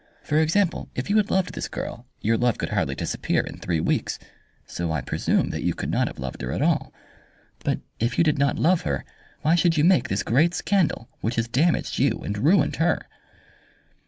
For example, if you had loved this girl your love could hardly disappear in three weeks, so I presume that you could not have loved her at all. But if you did not love her why should you make this great scandal which has damaged you and ruined her?"